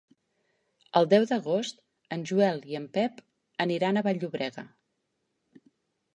El deu d'agost en Joel i en Pep aniran a Vall-llobrega.